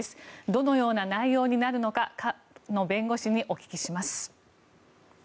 どのような内容になるのか菅野弁護士にお聞きします。